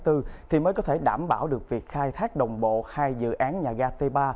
thì mới có thể đảm bảo được việc khai thác đồng bộ hai dự án nhà ga t ba